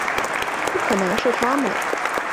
不可能是他们